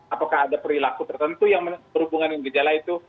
apakah ada perilaku tertentu yang berhubungan dengan gejala itu